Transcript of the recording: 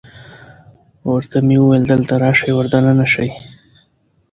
ورته مې وویل: دلته راشئ، ور دننه شئ.